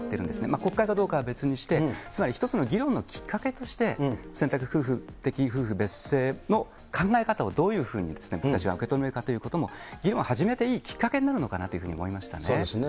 国会かどうかは別にして、つまり一つの議論のきっかけとして、選択的夫婦別姓の考え方をどういうふうに私らが受け止めるかっていうのも、議論始めていいきっかけになるのかなと思いましたね。